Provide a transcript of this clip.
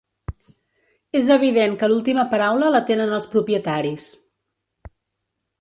És evident que l’última paraula la tenen els propietaris.